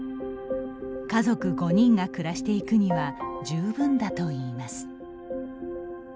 家族５人が暮らしていくには十分だといいます。